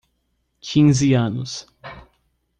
Quinze anos